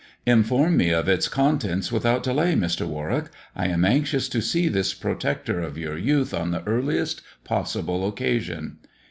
" Inform mo of its contents without delay, Mr. Warwick. I am anxious to see this protector of your youth on the earliest possible occasion."